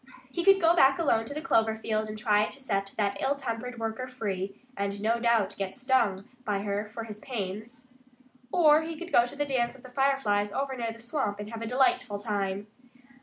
He could go back alone to the clover field and try to set that ill tempered worker free and no doubt get stung by her for his pains. Or he could go to the dance of the Fireflies over near the swamp, and have a delightful time.